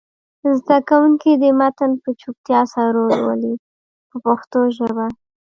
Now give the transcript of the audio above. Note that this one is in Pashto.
زده کوونکي دې متن په چوپتیا سره ولولي په پښتو ژبه.